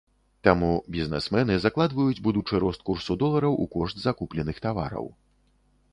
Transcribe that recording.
Таму бізнэсмэны закладваюць будучы рост курсу долара ў кошт закупленых тавараў.